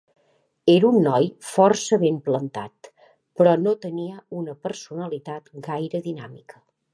Era un noi força ben plantat, però no tenia una personalitat gaire dinàmica.